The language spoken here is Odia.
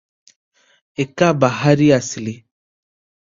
ଏକାବାହାରି ଆସିଲି ।